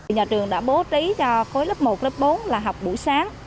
nhà trường đã bố trí cho khối lớp một lớp bốn là học buổi sáng